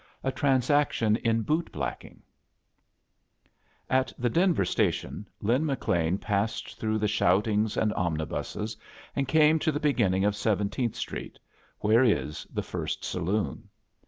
A Truuaction la Boot BUckloE Ax the Denver atation Lin li^Xean pass ed tfircK^h the abotitiags and omoibuses^ and came to the b^iinaiag of Seventeenth Street, where is the first saloon.